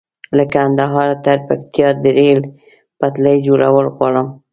له کندهاره تر پکتيا د ريل پټلۍ جوړول غواړم